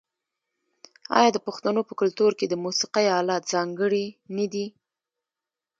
آیا د پښتنو په کلتور کې د موسیقۍ الات ځانګړي نه دي؟